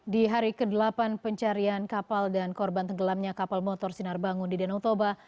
di hari ke delapan pencarian kapal dan korban tenggelamnya kapal motor sinar bangun di danau toba